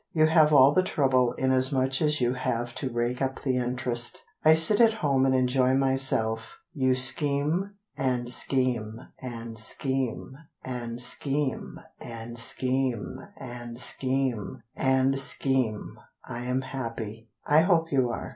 You have all the trouble Inasmuch as you have to rake up the interest. I sit at home and enjoy myself, You scheme, and scheme, and scheme, and scheme, and scheme, and scheme, and scheme, I am happy, I hope you are.